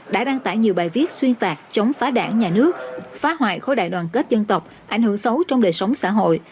đã đăng tải nhiều bài viết xuyên tạc chống phá đảng nhà nước phá hoại khối đại đoàn kết dân tộc ảnh hưởng xấu trong đời sống xã hội